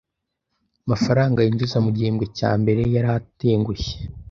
Amafaranga yinjiza mu gihembwe cya mbere yari atengushye.